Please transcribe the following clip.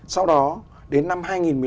sau đó đến năm hai nghìn một mươi năm